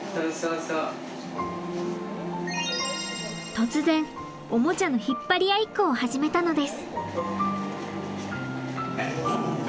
突然オモチャの引っ張り合いっこを始めたのです。